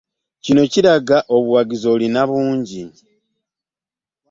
Kino kiraga obuwagizi olina bungi.